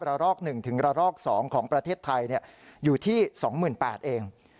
ลอก๑ถึงระลอก๒ของประเทศไทยอยู่ที่๒๘๐๐เอง